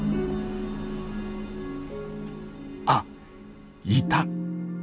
あっいた！